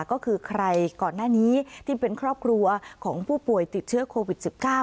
ก็คือใครก่อนหน้านี้ที่เป็นครอบครัวของผู้ป่วยติดเชื้อโควิด๑๙